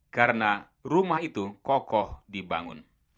karena rumah itu kokoh dibangun